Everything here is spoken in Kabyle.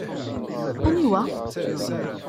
Aniwa?